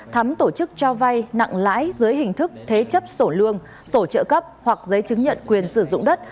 thắm tổ chức cho vay nặng lãi dưới hình thức thế chấp sổ lương sổ trợ cấp hoặc giấy chứng nhận quyền sử dụng đất